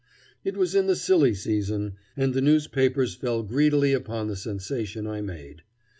It was in the silly season, and the newspapers fell greedily upon the sensation I made.